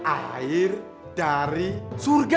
air dari surga